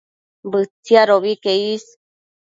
Bëtsiadobi que is